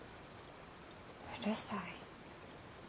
うるさい。